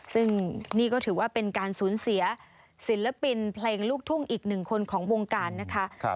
ซึ่งนี่ก็ถือว่าเป็นการสูญเสียศิลปินเพลงลูกทุ่งอีกหนึ่งคนของวงการนะคะ